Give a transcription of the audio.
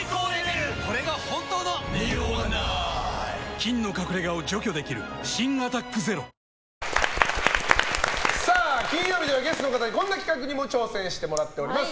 菌の隠れ家を除去できる新「アタックＺＥＲＯ」金曜日ではゲストの方にこんな企画にも挑戦してもらっています。